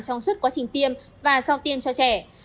trong suốt quá trình tiêm và sau tiêm cho trẻ